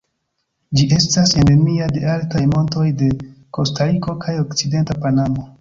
Ĝi estas endemia de altaj montoj de Kostariko kaj okcidenta Panamo.